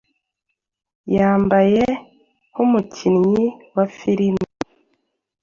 Yambaye nkumukinnyi wa filime.